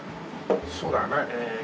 そうだよね。